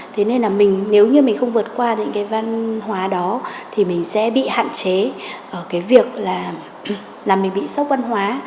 thế nên là nếu như mình không vượt qua những cái văn hóa đó thì mình sẽ bị hạn chế ở cái việc là mình bị sốc văn hóa